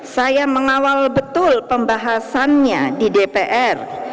saya mengawal betul pembahasannya di dpr